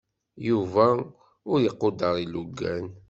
Yuba ur iquder ilugan.